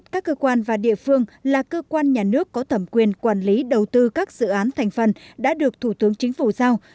các cơ quan và địa phương là cơ quan nhà nước có thẩm quyền quản lý đầu tư các dự án thành phần đã được thủ tướng chính phủ giao